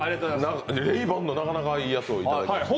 レイバンのなかなかいいやつをいただきました